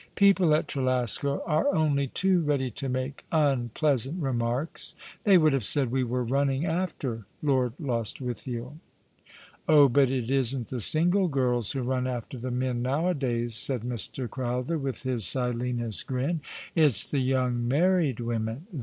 People at Trelasco are only too ready to make unpleasant remarks. They would have said we were running after Lord Lost withiel." " Oh, but it isn't the single girls who run after the men nowadays," said Mr. Crowther, with his Silenus grin ;" it's the young married women.